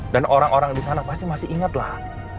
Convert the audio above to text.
dan orang orang disana pasti masih inget lah